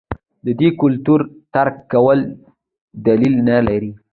د دې کلمو ترک کول دلیل نه لري.